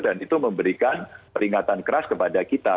dan itu memberikan peringatan keras kepada kita